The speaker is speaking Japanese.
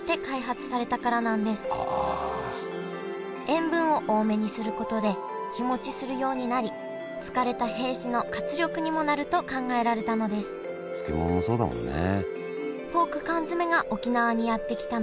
塩分を多めにすることで日もちするようになり疲れた兵士の活力にもなると考えられたのです漬物もそうだもんね。